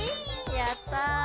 やった！